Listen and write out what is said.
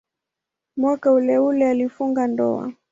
Mwaka uleule alifunga ndoa.